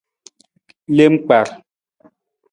Lem kpar.